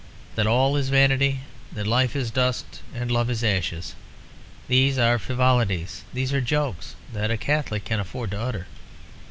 That all is vanity, that life is dust and love is ashes, these are frivolities, these are jokes that a Catholic can afford to utter.